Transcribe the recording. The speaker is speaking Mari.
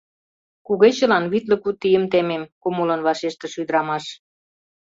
— Кугечылан витле куд ийым темем, — кумылын вашештыш ӱдрамаш.